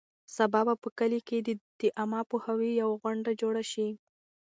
سبا به په کلي کې د عامه پوهاوي یوه غونډه جوړه شي.